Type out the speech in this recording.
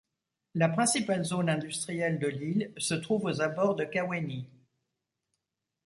La principale zone industrielle de l’île se trouve aux abords de Kawéni.